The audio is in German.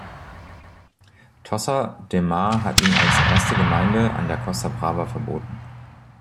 Tossa de Mar hat ihn als erste Gemeinde an der Costa Brava verboten.